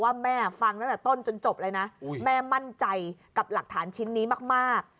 แม่ฟังตั้งแต่ต้นจนจบเลยนะแม่มั่นใจกับหลักฐานชิ้นนี้มาก